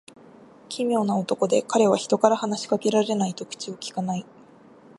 奇妙な男で、彼は人から話し掛けられないと口をきかない。